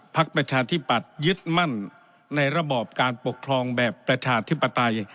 ประชาธิปัตยึดมั่นในระบอบการปกครองแบบประชาธิปไตย